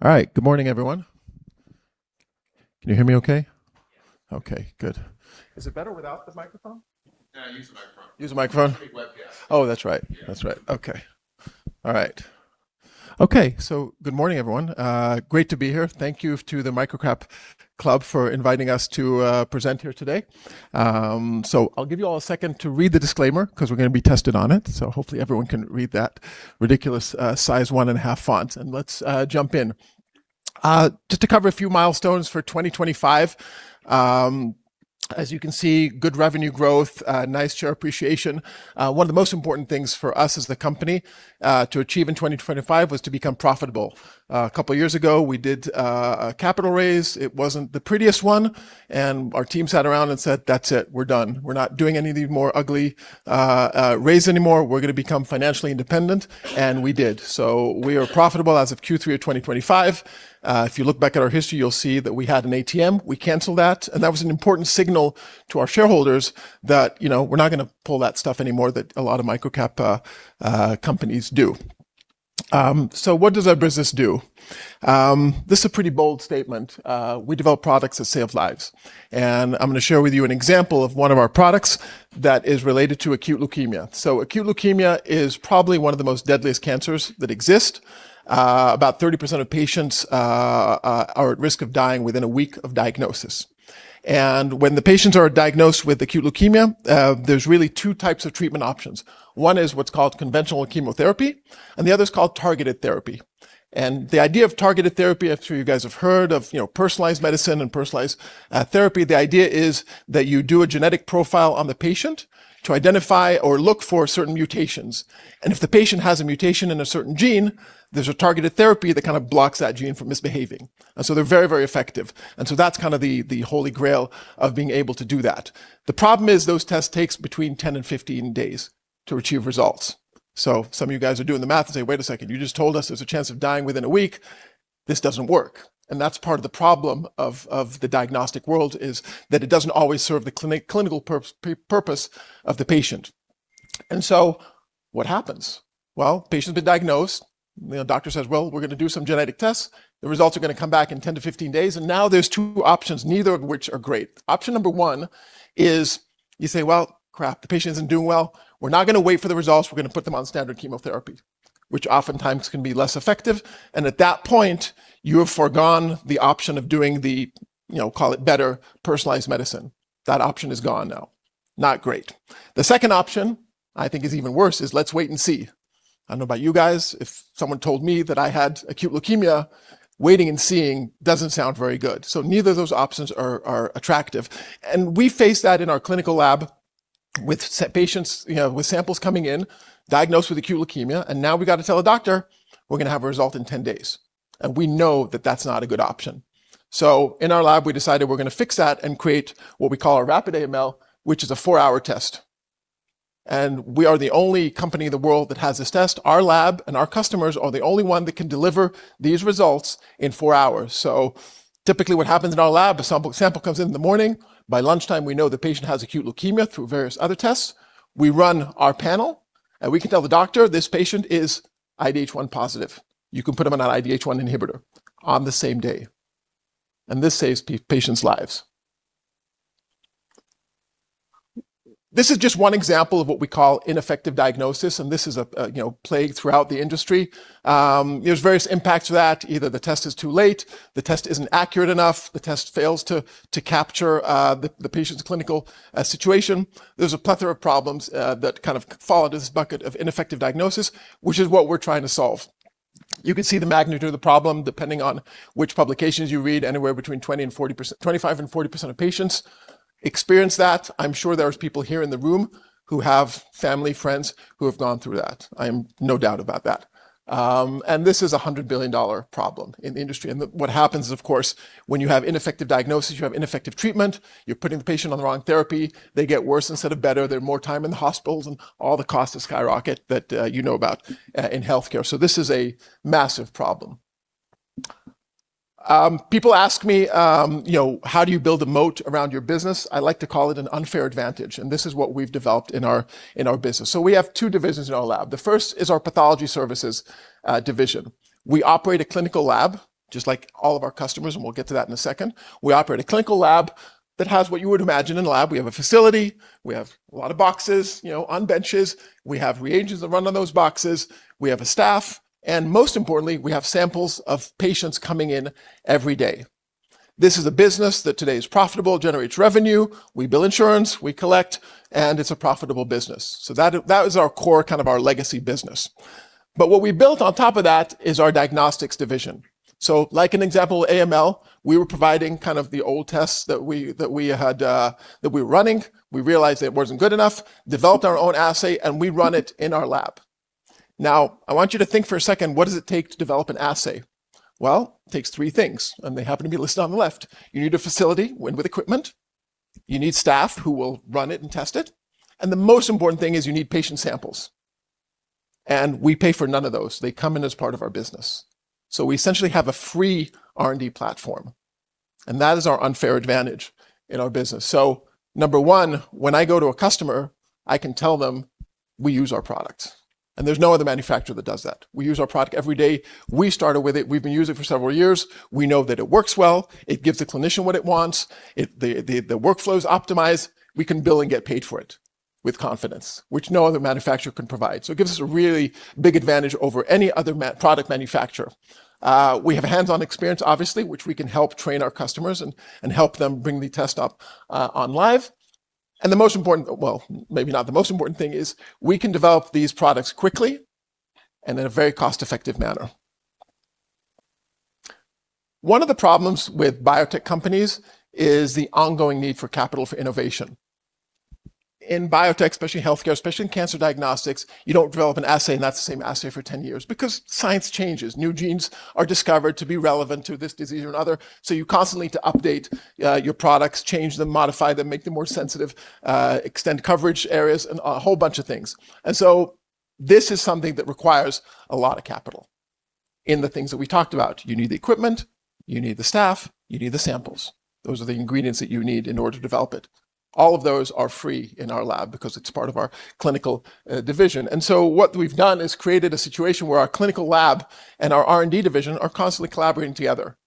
All right. Good morning, everyone. Can you hear me okay? Yes. Okay, good. Is it better without the microphone? No, use the microphone. Use the microphone. It's a big webcast. Oh, that's right. Yeah. That's right. Okay. All right. Good morning, everyone. Great to be here. Thank you to the MicroCapClub for inviting us to present here today. I'll give you all a second to read the disclaimer, because we're going to be tested on it, hopefully everyone can read that ridiculous size one and a half font. Let's jump in. Just to cover a few milestones for 2025. As you can see, good revenue growth, nice share appreciation. One of the most important things for us as the company to achieve in 2025 was to become profitable. A couple of years ago, we did a capital raise. It wasn't the prettiest one. Our team sat around and said, "That's it. We're done. We're not doing any of the more ugly raises anymore. We're going to become financially independent." We did. We are profitable as of Q3 of 2025. If you look back at our history, you'll see that we had an ATM. We canceled that, and that was an important signal to our shareholders that we're not going to pull that stuff anymore that a lot of microcap companies do. What does our business do? This is a pretty bold statement. We develop products that save lives, and I'm going to share with you an example of one of our products that is related to acute leukemia. Acute leukemia is probably one of the most deadliest cancers that exist. About 30% of patients are at risk of dying within a week of diagnosis. When the patients are diagnosed with acute leukemia, there's really two types of treatment options. One is what's called conventional chemotherapy, and the other is called targeted therapy. The idea of targeted therapy, I'm sure you guys have heard of personalized medicine and personalized therapy. The idea is that you do a genetic profile on the patient to identify or look for certain mutations, and if the patient has a mutation in a certain gene, there's a targeted therapy that kind of blocks that gene from misbehaving. They're very effective. That's kind of the holy grail of being able to do that. The problem is those tests takes between 10 and 15 days to achieve results. Some of you guys are doing the math and say, "Wait a second, you just told us there's a chance of dying within a week. This doesn't work." That's part of the problem of the diagnostic world, is that it doesn't always serve the clinical purpose of the patient. What happens? Patient's been diagnosed. Doctor says, "We're going to do some genetic tests." The results are going to come back in 10 to 15 days, and now there's two options, neither of which are great. Option number 1 is you say, "Crap, the patient isn't doing well. We're not going to wait for the results. We're going to put them on standard chemotherapy," which oftentimes can be less effective. At that point, you have foregone the option of doing the call it better, personalized medicine. That option is gone now. Not great. The second option, I think is even worse, is let's wait and see. I don't know about you guys. If someone told me that I had acute leukemia, waiting and seeing doesn't sound very good. Neither of those options are attractive. We face that in our clinical lab with patients, with samples coming in, diagnosed with acute leukemia and now we got to tell a doctor we're going to have a result in 10 days, and we know that that's not a good option. In our lab, we decided we're going to fix that and create what we call a rapid AML, which is a four-hour test. We are the only company in the world that has this test. Our lab and our customers are the only one that can deliver these results in four hours. Typically, what happens in our lab, a sample comes in in the morning. By lunchtime, we know the patient has acute leukemia through various other tests. We run our panel, and we can tell the doctor, "This patient is IDH1 positive. You can put him on an IDH1 inhibitor on the same day." This saves patients' lives. This is just one example of what we call ineffective diagnosis, and this is a plague throughout the industry. There's various impacts to that. Either the test is too late, the test isn't accurate enough, the test fails to capture the patient's clinical situation. There's a plethora of problems that kind of fall into this bucket of ineffective diagnosis, which is what we're trying to solve. You can see the magnitude of the problem depending on which publications you read. Anywhere between 25%-40% of patients experience that. I'm sure there's people here in the room who have family, friends who have gone through that. I am no doubt about that. This is a $100 billion problem in the industry. What happens is, of course, when you have ineffective diagnosis, you have ineffective treatment, you're putting the patient on the wrong therapy, they get worse instead of better. They're more time in the hospitals, and all the costs of skyrocket that you know about in healthcare. This is a massive problem. People ask me, "How do you build a moat around your business?" I like to call it an unfair advantage, and this is what we've developed in our business. We have two divisions in our lab. The first is our Pathology Services Division. We operate a clinical lab just like all of our customers, and we'll get to that in a second. We operate a clinical lab that has what you would imagine in a lab. We have a facility. We have a lot of boxes on benches. We have reagents that run on those boxes. We have a staff, and most importantly, we have samples of patients coming in every day. This is a business that today is profitable, generates revenue. We bill insurance, we collect, and it's a profitable business. That is our core, kind of our legacy business. What we built on top of that is our Diagnostic Services Division. Like an example, AML, we were providing kind of the old tests that we were running. We realized it wasn't good enough, developed our own assay, and we run it in our lab. I want you to think for a second, what does it take to develop an assay? It takes three things, and they happen to be listed on the left. You need a facility with equipment. You need staff who will run it and test it. The most important thing is you need patient samples. We pay for none of those. They come in as part of our business. We essentially have a free R&D platform. That is our unfair advantage in our business. Number one, when I go to a customer, I can tell them we use our products, and there's no other manufacturer that does that. We use our product every day. We started with it. We've been using it for several years. We know that it works well. It gives the clinician what it wants. The workflow is optimized. We can bill and get paid for it with confidence, which no other manufacturer can provide. It gives us a really big advantage over any other product manufacturer. We have hands-on experience obviously, which we can help train our customers and help them bring the test up on live. Maybe not the most important thing is we can develop these products quickly and in a very cost-effective manner. One of the problems with biotech companies is the ongoing need for capital for innovation. In biotech, especially healthcare, especially in cancer diagnostics, you don't develop an assay, and that's the same assay for 10 years, because science changes. New genes are discovered to be relevant to this disease or another, you constantly to update your products, change them, modify them, make them more sensitive, extend coverage areas, and a whole bunch of things. This is something that requires a lot of capital in the things that we talked about. You need the equipment, you need the staff, you need the samples. Those are the ingredients that you need in order to develop it. All of those are free in our lab because it's part of our clinical division. What we've done is created a situation where our clinical lab and our R&D division are constantly collaborating together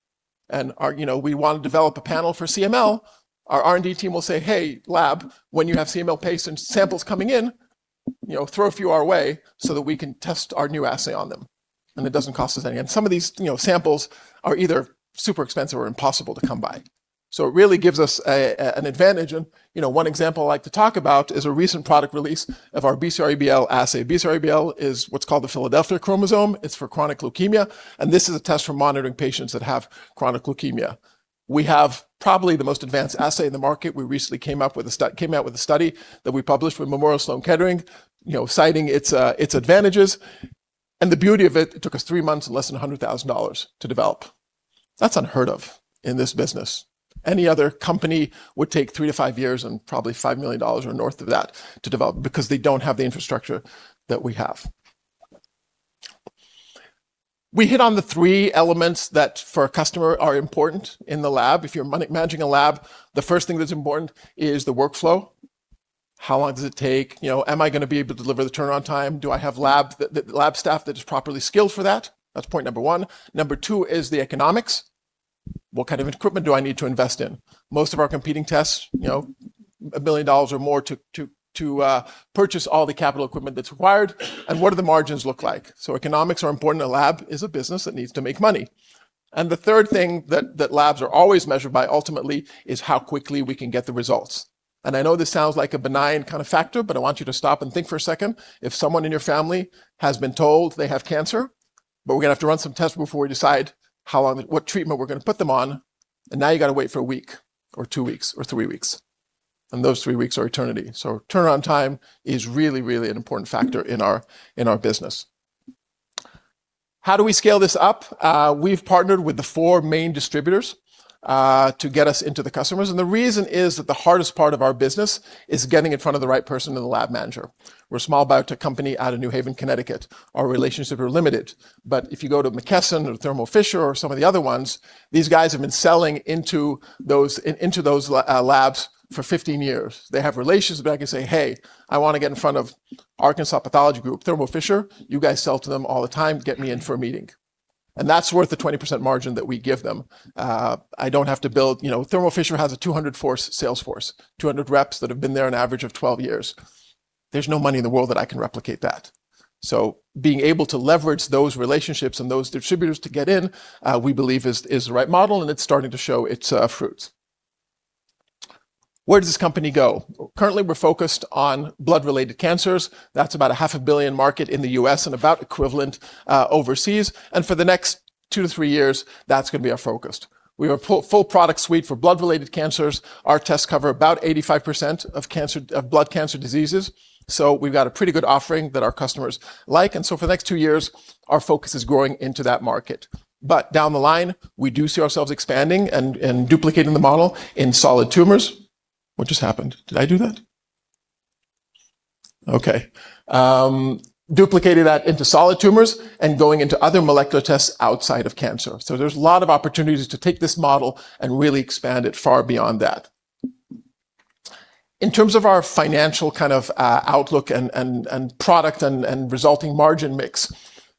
and we want to develop a panel for CML. Our R&D team will say, "Hey, lab, when you have CML samples coming in, throw a few our way so that we can test our new assay on them, and it doesn't cost us anything." Some of these samples are either super expensive or impossible to come by. It really gives us an advantage and one example I like to talk about is a recent product release of our BCR-ABL assay. BCR-ABL is what's called the Philadelphia chromosome. It's for chronic leukemia, and this is a test for monitoring patients that have chronic leukemia. We have probably the most advanced assay in the market. We recently came out with a study that we published with Memorial Sloan Kettering, citing its advantages. The beauty of it took us three months and less than $100,000 to develop. That's unheard of in this business. Any other company would take three to five years and probably $5 million or north of that to develop because they don't have the infrastructure that we have. We hit on the three elements that for a customer are important in the lab. If you're managing a lab, the first thing that's important is the workflow. How long does it take? Am I going to be able to deliver the turnaround time? Do I have lab staff that is properly skilled for that? That's point number one. Number two is the economics. What kind of equipment do I need to invest in? Most of our competing tests, $1 billion or more to purchase all the capital equipment that's required and what do the margins look like? Economics are important. A lab is a business that needs to make money. The third thing that labs are always measured by ultimately is how quickly we can get the results. I know this sounds like a benign kind of factor, but I want you to stop and think for a second. If someone in your family has been told they have cancer, but we're going to have to run some tests before we decide what treatment we're going to put them on, and now you got to wait for a week or two weeks or three weeks, and those three weeks are eternity. Turnaround time is really an important factor in our business. How do we scale this up? We've partnered with the four main distributors, to get us into the customers. The reason is that the hardest part of our business is getting in front of the right person in the lab manager. We're a small biotech company out of New Haven, Connecticut. Our relationships are limited. If you go to McKesson or Thermo Fisher or some of the other ones, these guys have been selling into those labs for 15 years. They have relationships. They can say, "Hey, I want to get in front of Arkansas Pathology Group. Thermo Fisher, you guys sell to them all the time. Get me in for a meeting." That's worth the 20% margin that we give them. Thermo Fisher has a 200 sales force, 200 reps that have been there an average of 12 years. There's no money in the world that I can replicate that. Being able to leverage those relationships and those distributors to get in, we believe is the right model, and it's starting to show its fruits. Where does this company go? Currently, we're focused on blood-related cancers. That's about a half a billion market in the U.S. and about equivalent overseas. For the next two to three years, that's going to be our focus. We have a full product suite for blood-related cancers. Our tests cover about 85% of blood cancer diseases. We've got a pretty good offering that our customers like. For the next two years, our focus is growing into that market. Down the line, we do see ourselves expanding and duplicating the model in solid tumors. What just happened? Did I do that? Okay. Duplicating that into solid tumors and going into other molecular tests outside of cancer. There's a lot of opportunities to take this model and really expand it far beyond that. In terms of our financial kind of outlook and product and resulting margin mix,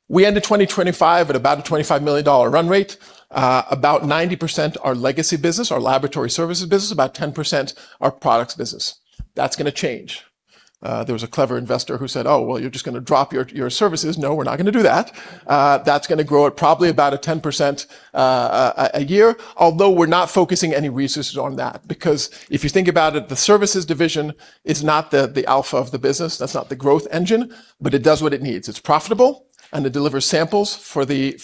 we end the 2025 at about a $25 million run rate. About 90% are legacy business, our laboratory services business, about 10% are products business. That's going to change. There was a clever investor who said, "Oh, well, you're just going to drop your services." No, we're not going to do that. That's going to grow at probably about a 10% a year, although we're not focusing any resources on that because if you think about it, the services division is not the alpha of the business. That's not the growth engine, but it does what it needs. It's profitable, and it delivers samples for the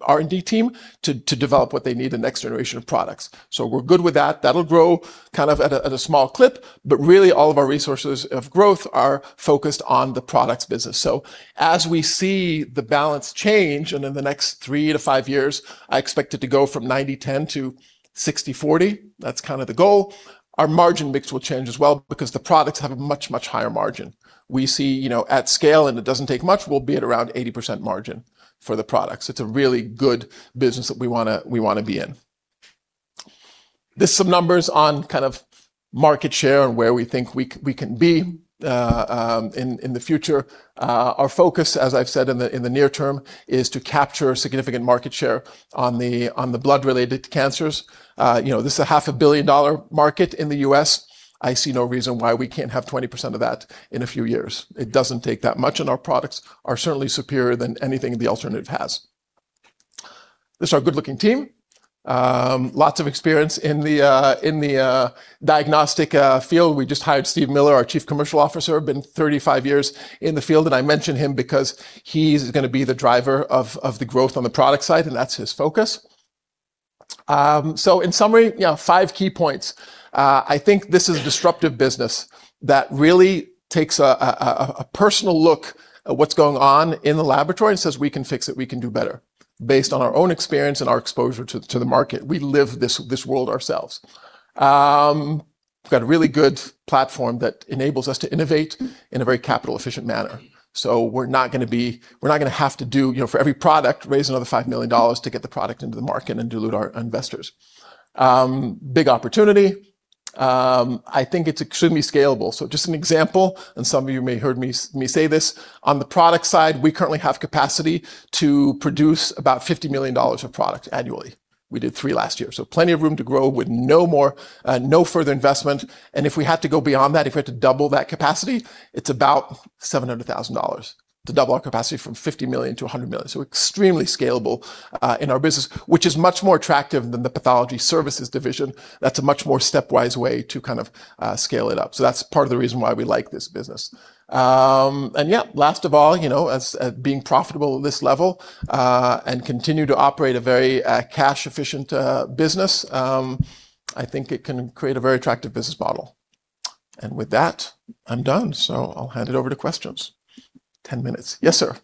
R&D team to develop what they need the next generation of products. We're good with that. That'll grow kind of at a small clip, but really all of our resources of growth are focused on the products business. As we see the balance change and in the next three to five years, I expect it to go from 90/10 to 60/40. That's kind of the goal. Our margin mix will change as well because the products have a much, much higher margin. We see at scale, and it doesn't take much, we'll be at around 80% margin for the products. It's a really good business that we want to be in. There's some numbers on market share and where we think we can be in the future. Our focus, as I've said, in the near term is to capture significant market share on the blood-related cancers. This is a half a billion dollar market in the U.S. I see no reason why we can't have 20% of that in a few years. It doesn't take that much, and our products are certainly superior than anything the alternative has. This is our good-looking team. Lots of experience in the diagnostic field. We just hired Stephen Miller, our Chief Commercial Officer, been 35 years in the field. I mention him because he's going to be the driver of the growth on the product side, and that's his focus. In summary, five key points. I think this is a disruptive business that really takes a personal look at what's going on in the laboratory and says, "We can fix it. We can do better based on our own experience and our exposure to the market." We live this world ourselves. We've got a really good platform that enables us to innovate in a very capital-efficient manner. We're not going to have to, for every product, raise another $5 million to get the product into the market and dilute our investors. Big opportunity. I think it's extremely scalable. Just an example, and some of you may heard me say this, on the product side, we currently have capacity to produce about $50 million of product annually. We did three last year, plenty of room to grow with no further investment. If we had to go beyond that, if we had to double that capacity, it's about $700,000 to double our capacity from $50 million to $100 million. Extremely scalable in our business. Which is much more attractive than the Pathology Services Division. That's a much more stepwise way to scale it up. That's part of the reason why we like this business. Last of all, as being profitable at this level, and continue to operate a very cash-efficient business, I think it can create a very attractive business model. With that, I'm done. I'll hand it over to questions. 10 minutes. Yes, sir.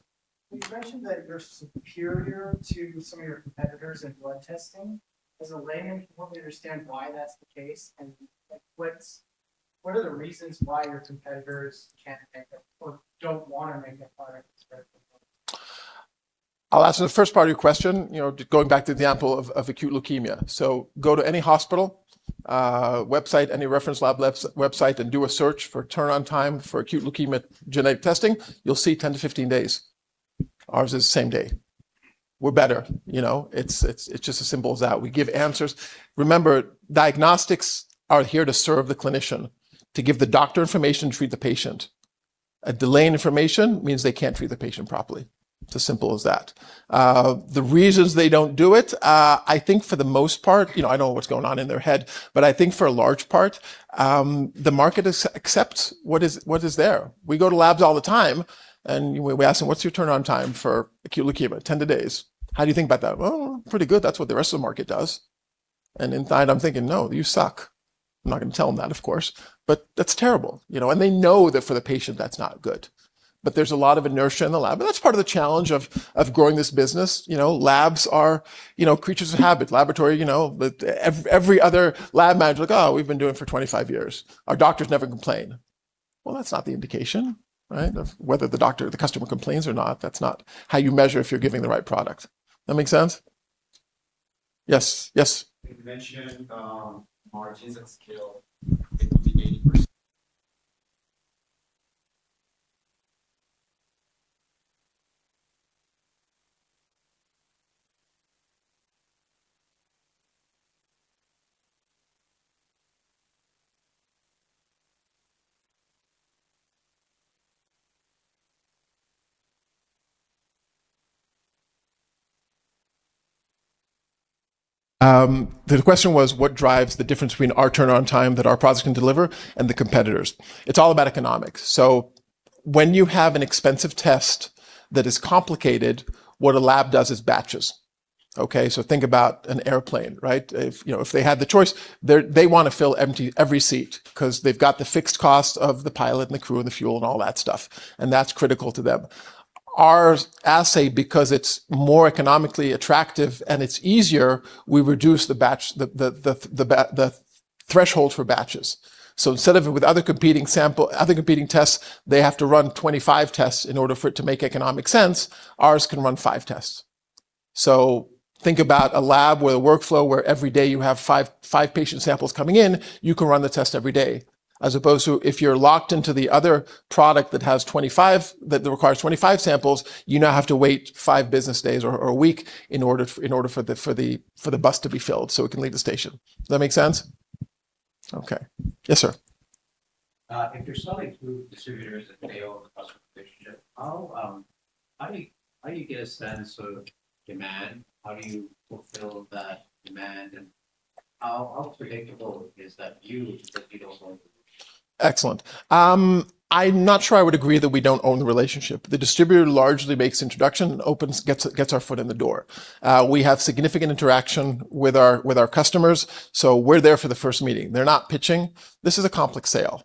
You mentioned that you're superior to some of your competitors in blood testing. As a layman, can you help me understand why that's the case, and what are the reasons why your competitors can't make it or don't want to make a product as good as yours? I'll answer the first part of your question, going back to the example of acute leukemia. Go to any hospital website, any reference lab website, and do a search for turnaround time for acute leukemia genetic testing. You'll see 10 to 15 days. Ours is the same day. We're better. It's just as simple as that. We give answers. Remember, diagnostics are here to serve the clinician, to give the doctor information to treat the patient. A delay in information means they can't treat the patient properly. It's as simple as that. The reasons they don't do it, I think for the most part, I don't know what's going on in their head, but I think for a large part, the market accepts what is there. We go to labs all the time and we ask them, "What's your turnaround time for acute leukemia?" "10 to days." "How do you think about that?" "Well, pretty good. That's what the rest of the market does." Inside I'm thinking, "No, you suck." I'm not going to tell them that, of course. That's terrible. They know that for the patient, that's not good. There's a lot of inertia in the lab, and that's part of the challenge of growing this business. Labs are creatures of habit. Every other lab manager, like, "Oh, we've been doing for 25 years. Our doctors never complain." Well, that's not the indication, right? Of whether the customer complains or not. That's not how you measure if you're giving the right product. That make sense? Yes. You mentioned margins at scale could be 80%. The question was what drives the difference between our turnaround time that our products can deliver and the competitors. It's all about economics. When you have an expensive test that is complicated, what a lab does is batches. Think about an airplane, right? If they had the choice, they want to fill every seat because they've got the fixed cost of the pilot and the crew and the fuel and all that stuff, and that's critical to them. Our assay, because it's more economically attractive and it's easier, we reduce the threshold for batches. Instead of with other competing tests, they have to run 25 tests in order for it to make economic sense, ours can run five tests. Think about a lab with a workflow where every day you have five patient samples coming in, you can run the test every day, as opposed to if you're locked into the other product that requires 25 samples, you now have to wait five business days or a week in order for the bus to be filled so it can leave the station. That make sense? Okay. Yes, sir. If you're selling through distributors that they own the customer relationship, how do you get a sense of demand? How do you fulfill that demand, and how predictable is that view that you don't own the relationship? Excellent. I'm not sure I would agree that we don't own the relationship. The distributor largely makes introduction and gets our foot in the door. We have significant interaction with our customers, we're there for the first meeting. They're not pitching. This is a complex sale.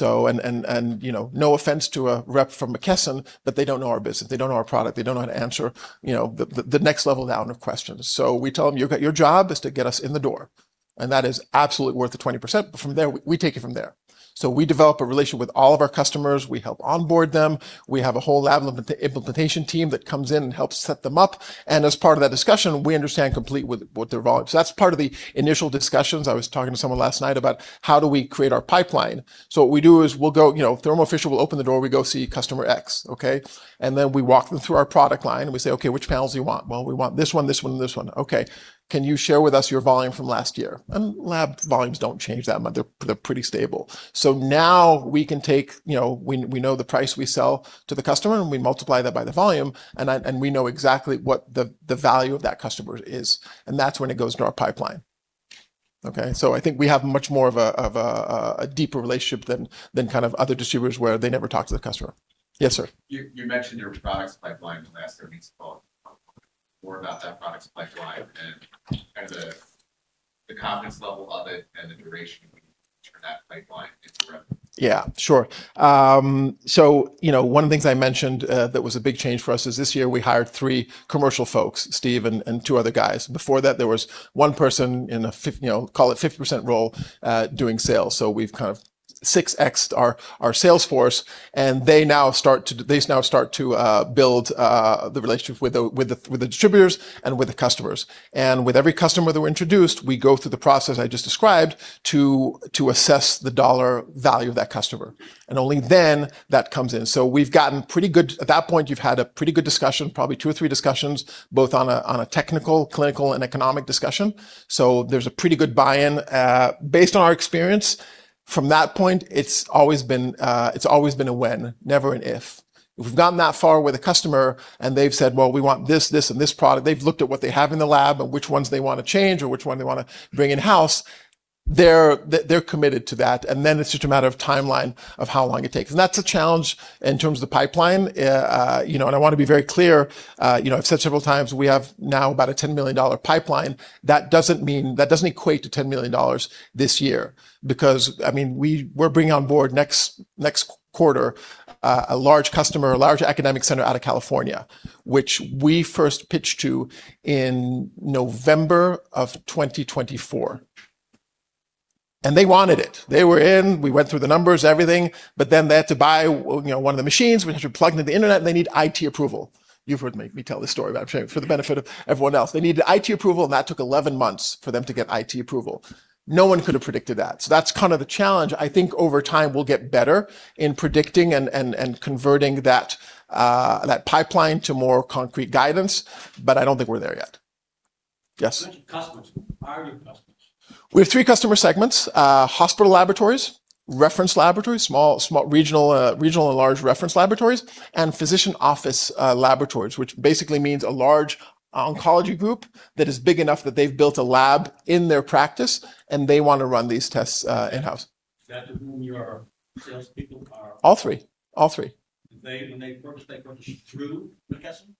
No offense to a rep from McKesson, but they don't know our business. They don't know our product. They don't know how to answer the next level down of questions. We tell them, "Your job is to get us in the door." That is absolutely worth the 20%, but from there, we take it from there. We develop a relationship with all of our customers. We help onboard them. We have a whole lab implementation team that comes in and helps set them up. As part of that discussion, we understand complete with what their volume. That's part of the initial discussions. I was talking to someone last night about how do we create our pipeline. What we do is Thermo Fisher will open the door, we go see customer X. Okay. Then we walk them through our product line, and we say, "Okay, which panels do you want?" "Well, we want this one, this one, and this one." "Okay. Can you share with us your volume from last year?" Lab volumes don't change that much. They're pretty stable. Now we know the price we sell to the customer, and we multiply that by the volume, and we know exactly what the value of that customer is, and that's when it goes into our pipeline. Okay. I think we have much more of a deeper relationship than other distributors where they never talk to the customer. Yes, sir. You mentioned your products pipeline in the last earnings call. More about that products pipeline and the confidence level of it and the duration for that pipeline into revenue. Yeah. Sure. One of the things I mentioned that was a big change for us is this year we hired three commercial folks, Steve and two other guys. Before that, there was one person in a, call it 50% role, doing sales. We've kind of 6x'd our sales force, and they now start to build the relationship with the distributors and with the customers. With every customer that we're introduced, we go through the process I just described to assess the dollar value of that customer, and only then that comes in. At that point, you've had a pretty good discussion, probably two or three discussions, both on a technical, clinical, and economic discussion. There's a pretty good buy-in. Based on our experience, from that point, it's always been a when, never an if. We've gotten that far with a customer, they've said, "Well, we want this, and this product." They've looked at what they have in the lab and which ones they want to change or which one they want to bring in-house. They're committed to that, then it's just a matter of timeline of how long it takes. That's a challenge in terms of the pipeline. I want to be very clear, I've said several times we have now about a $10 million pipeline. That doesn't equate to $10 million this year because we're bringing on board next quarter a large customer, a large academic center out of California, which we first pitched to in November of 2024. They wanted it. They were in. We went through the numbers, everything. They had to buy one of the machines, which we plug into the internet. They need IT approval. You've heard me tell this story about Shane for the benefit of everyone else. They needed IT approval. That took 11 months for them to get IT approval. No one could've predicted that. That's the challenge. I think over time we'll get better in predicting and converting that pipeline to more concrete guidance. I don't think we're there yet. Yes. Who are your customers? We have three customer segments, hospital laboratories, reference laboratories, small regional and large reference laboratories, and physician office laboratories, which basically means a large oncology group that is big enough that they've built a lab in their practice and they want to run these tests in-house. Is that whom your salespeople are- All three. When they purchase, they purchase through McKesson?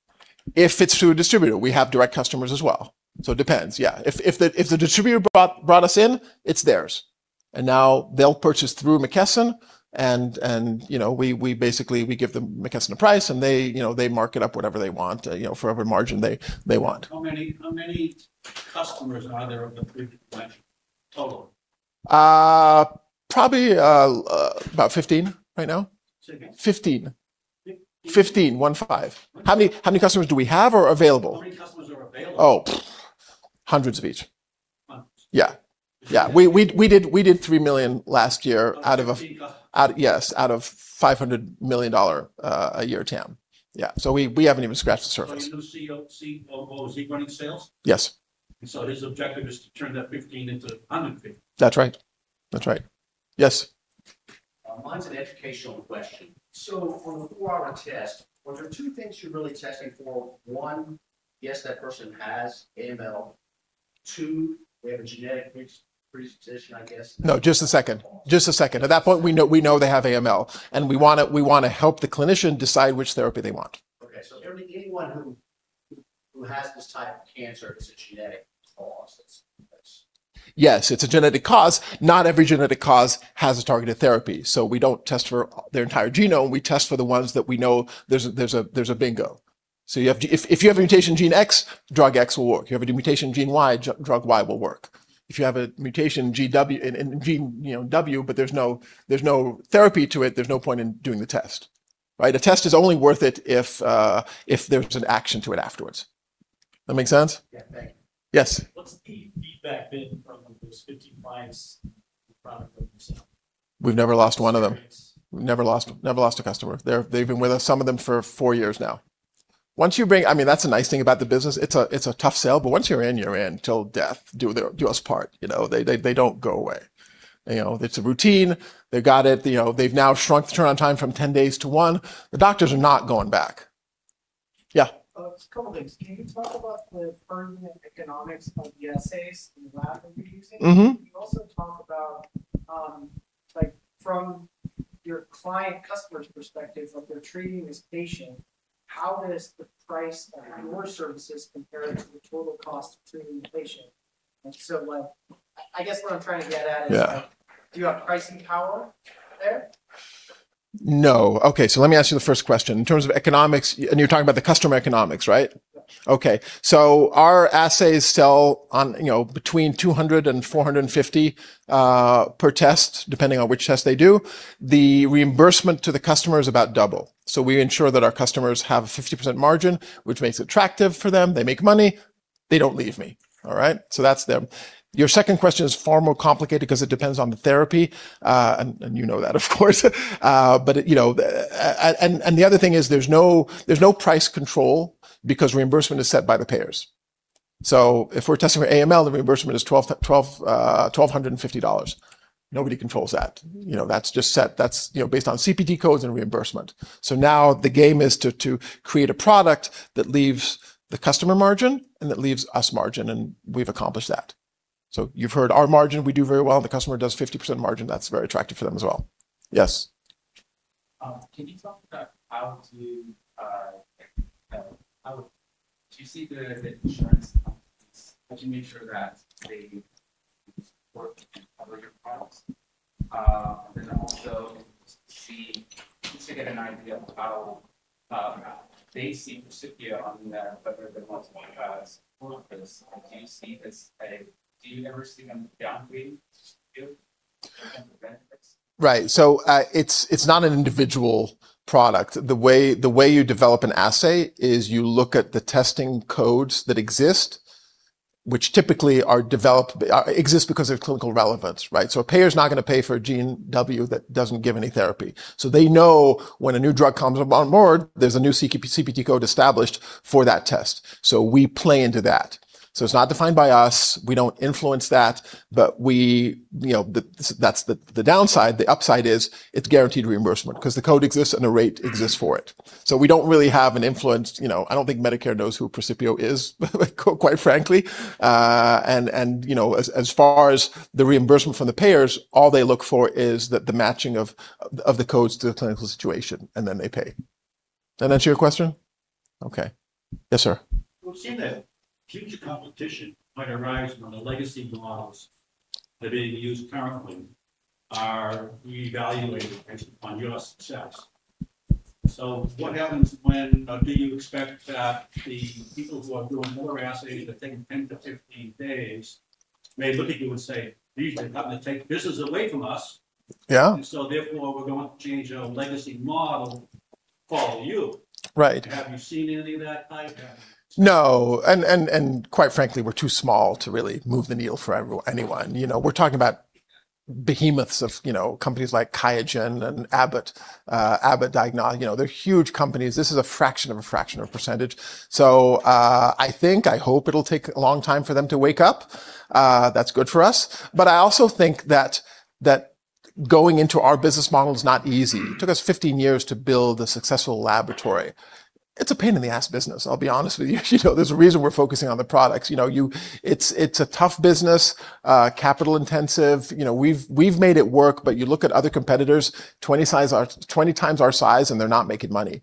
If it's through a distributor. We have direct customers as well, so it depends. Yeah. If the distributor brought us in, it's theirs, and now they'll purchase through McKesson, and basically we give McKesson a price, and they mark it up whatever they want for whatever margin they want. How many customers are there of the three combined, total? Probably about 15 right now. Say again? 15. 15? 15, one, five. How many customers do we have or available? How many customers are available? Oh, hundreds of each. Hundreds. Yeah. We did $3 million last year. Out of 15 customers. Yes, out of $500 million a year TAM. Yeah. We haven't even scratched the surface. You have a new COO. Is he running sales? Yes. His objective is to turn that 15 into 150? That's right. Yes. Mine's an educational question. For the four-hour test, well, there are two things you're really testing for. One, yes, that person has AML. Two, we have a genetic mixed presentation, I guess. No, just a second. At that point, we know they have AML, and we want to help the clinician decide which therapy they want. Okay, anyone who has this type of cancer, it's a genetic cause that's the case. Yes, it's a genetic cause. Not every genetic cause has a targeted therapy. We don't test for their entire genome. We test for the ones that we know there's a bingo. If you have a mutation gene X, drug X will work. You have a mutation gene Y, drug Y will work. If you have a mutation gene W, but there's no therapy to it, there's no point in doing the test. Right? A test is only worth it if there's an action to it afterwards. That make sense? Yeah. Thank you. Yes. What's the feedback been from those 15 clients you're currently selling? We've never lost one of them. Great. We've never lost a customer. They've been with us, some of them, for four years now. That's the nice thing about the business. It's a tough sell, but once you're in, you're in till death do us part. They don't go away. It's a routine. They've got it. They've now shrunk the turnaround time from 10 days to one. The doctors are not going back. Yeah. Just a couple things. Can you talk about the pertinent economics of the assays in the lab that you're using? Can you also talk about from your client customer's perspective of they're treating this patient, how does the price of your services compare to the total cost of treating the patient? I guess what I'm trying to get at. Yeah Do you have pricing power there? No. Okay, let me ask you the first question. In terms of economics, and you're talking about the customer economics, right? Yep. Okay. Our assays sell on between $200 and $450 per test, depending on which test they do. The reimbursement to the customer is about double. We ensure that our customers have a 50% margin, which makes it attractive for them. They make money, they don't leave me. All right? That's them. Your second question is far more complicated because it depends on the therapy, and you know that, of course. The other thing is there's no price control because reimbursement is set by the payers. If we're testing for AML, the reimbursement is $1,250. Nobody controls that. That's just set. That's based on CPT codes and reimbursement. Now the game is to create a product that leaves the customer margin and that leaves us margin, and we've accomplished that. You've heard our margin, we do very well. The customer does 50% margin, that's very attractive for them as well. Yes. Can you talk about how to see the insurance companies, how to make sure that they work and cover your products? Also just to get an idea of how they see Precipio whether the multiple paths Do you ever see them down-weighting you benefits? Right. It's not an individual product. The way you develop an assay is you look at the testing codes that exist, which typically exist because of clinical relevance, right? A payer's not going to pay for a gene W that doesn't give any therapy. They know when a new drug comes on board, there's a new CPT code established for that test. We play into that. It's not defined by us, we don't influence that. That's the downside. The upside is it's guaranteed reimbursement because the code exists and a rate exists for it. We don't really have an influence. I don't think Medicare knows who Precipio is, quite frankly. As far as the reimbursement from the payers, all they look for is the matching of the codes to the clinical situation, and then they pay. Does that answer your question? Okay. Yes, sir. What happens do you expect that the people who are doing more assay, [inaudible] days, may look at you and say, "These are the company take business away from us. Yeah. Therefore, we're going to change our legacy model to follow you. Right. Have you seen any of that kind? No, quite frankly, we're too small to really move the needle for anyone. We're talking about behemoths of companies like Qiagen and Abbott Diagnostics. They're huge companies. This is a fraction of a fraction of a percentage. I think, I hope it'll take a long time for them to wake up. That's good for us. I also think that going into our business model is not easy. It took us 15 years to build a successful laboratory. It's a pain-in-the-ass business, I'll be honest with you. There's a reason we're focusing on the products. It's a tough business, capital intensive. We've made it work, but you look at other competitors 20 times our size, and they're not making money.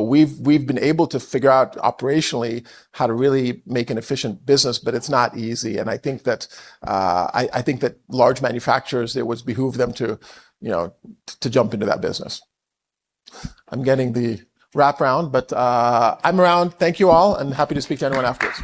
We've been able to figure out operationally how to really make an efficient business, but it's not easy. I think that large manufacturers, it would behoove them to jump into that business. I'm getting the wrap-up, but I'm around. Thank you all, and happy to speak to anyone afterwards.